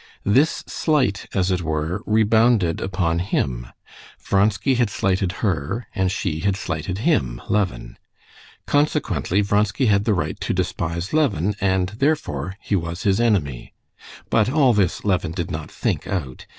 This slight, as it were, rebounded upon him. Vronsky had slighted her, and she had slighted him, Levin. Consequently Vronsky had the right to despise Levin, and therefore he was his enemy. But all this Levin did not think out.